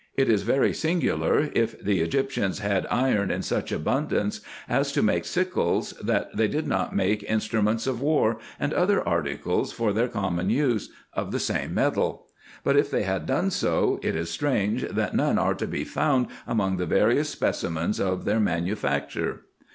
It is very singular, if the Egyptians had iron in such abundance, as to make sickles, that they did not make in struments of war, and other articles for their common use, of the same metal ; and if they had done so, it is strange, that none are to be found among the various specimens of their manufacture.